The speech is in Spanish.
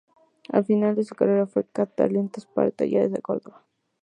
Al final de su carrera fue cazatalentos para Talleres de Córdoba.